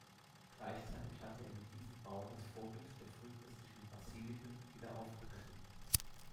Gleichzeitig hatte er mit diesem Bau das "Vorbild der frühchristlichen Basiliken wieder aufgegriffen".